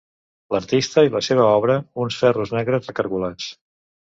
L'artista i la seva obra, uns ferros negres recargolats.